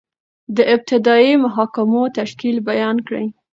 د ابتدائیه محاکمو تشکیل بیان کړئ؟